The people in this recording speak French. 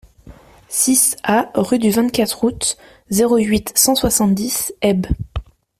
six A rue du vingt-quatre Août, zéro huit, cent soixante-dix, Haybes